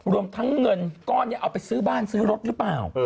รวมทั้งเงินก้อนนี้เอาไปซื้อบ้านซื้อรถหรือเปล่า